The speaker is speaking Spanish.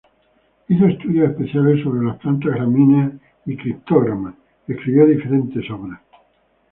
Hizo estudios especiales sobre las plantas gramíneas y criptógamas; escribió diferentes obras como